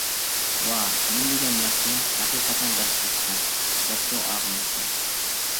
-ۋاھ، نېمىدېگەن ياخشى، ھەقىقەتەن بەختلىكسەن، -دەپتۇ ئاغىنىسى.